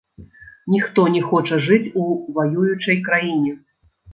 Ніхто не хоча жыць у ваюючай краіне.